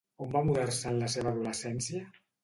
On va mudar-se en la seva adolescència?